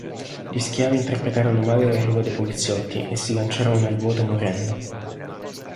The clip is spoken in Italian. Gli schiavi interpretarono male l'arrivo dei poliziotti, e si lanciarono nel vuoto morendo.